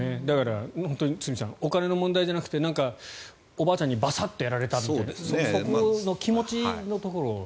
本当に堤さんお金の問題じゃなくておばあちゃんにバサッとやられたみたいなそこの気持ちのところ。